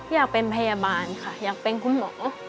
อยากเป็นพยาบาลค่ะอยากเป็นคุณหมอ